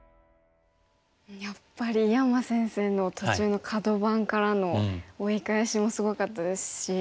やっぱり井山先生の途中のカド番からの追い返しもすごかったですし。